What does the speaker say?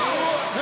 何？